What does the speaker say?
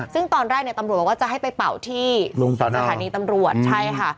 ซึ่งตอนแรกตำรวจบอกว่าจะให้ไปเป่าที่สถานีตำรวจ